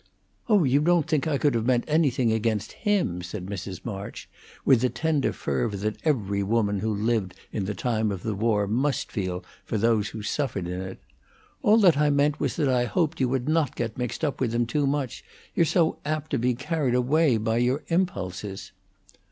"Oh, you don't think I could have meant anything against him!" said Mrs. March, with the tender fervor that every woman who lived in the time of the war must feel for those who suffered in it. "All that I meant was that I hoped you would not get mixed up with him too much. You're so apt to be carried away by your impulses."